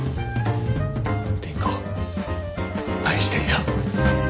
倫子愛してるよ。